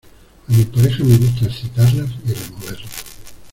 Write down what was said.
a mis parejas me gusta excitarlas y removerlas